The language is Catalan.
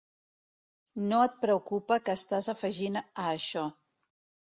No et preocupa que estàs afegint a això.